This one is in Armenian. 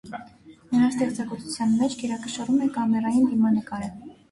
Նրա ստեղծագործության մեջ գերակշռում է կամերային դիմանկարը։